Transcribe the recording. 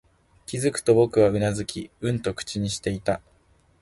気づくと、僕はうなずき、うんと口にしていた